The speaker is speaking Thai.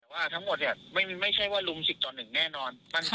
ว่าทั้งหมดเนี้ยไม่มีไม่ใช่ว่าลุมสิบต่อหนึ่งแน่นอนใช่